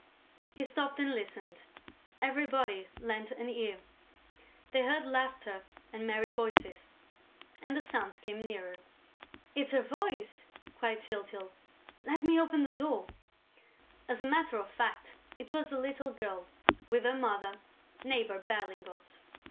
He stopped and listened. Everybody lent an ear. They heard laughter and merry voices; and the sounds came nearer. "It's her voice!" cried Tyltyl. "Let me open the door!" As a matter of fact, it was the little girl, with her mother, Neighbor Berlingot.